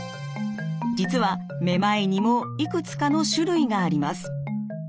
実はめまいにもいくつかの種類があります。